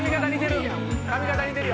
髪形似てる